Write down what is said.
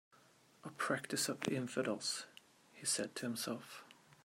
"A practice of infidels," he said to himself.